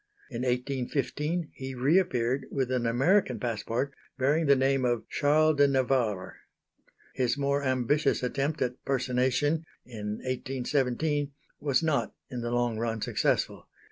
In 1815 he re appeared with an American passport bearing the name of Charles de Navarre. His more ambitious attempt at personation in 1817, was not in the long run successful.